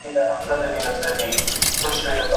مواصلاتي لاري د پرمختګ لپاره مهمې دي.